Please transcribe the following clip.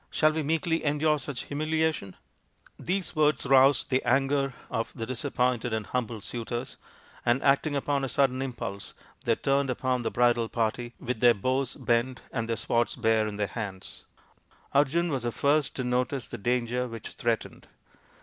Shall we meekly endure such humiliation ?" These words roused the anger of the disappointed and humbled suitors, and, acting upon a sudden impulse, they turned upon the bridal party with their bows bent and their swords bare in their hands. Arjun was the first to notice the danger which threatened.